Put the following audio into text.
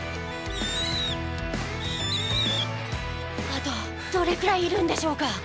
あとどれくらいいるんでしょうか。